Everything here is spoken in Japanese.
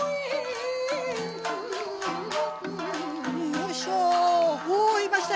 よいしょ。